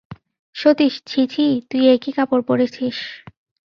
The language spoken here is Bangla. সতীশ, ছি ছি, তুই এ কী কাপড় পরেছিস।